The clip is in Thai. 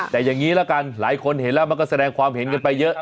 แต่อย่างนี้ละกันหลายคนเห็นแล้วมันก็แสดงความเห็นกันไปเยอะ